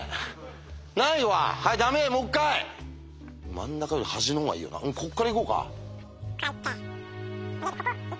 真ん中より端の方がいいよなこっから行こうか。